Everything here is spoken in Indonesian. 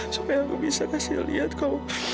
supaya aku bisa kasih lihat kau